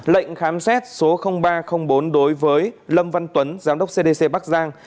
lệnh khám xét số ba bốn đối với lâm văn tuấn giám đốc cdc bắc giang